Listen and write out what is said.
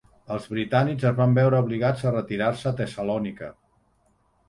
Els britànics es van veure obligats a retirar-se a Tessalònica.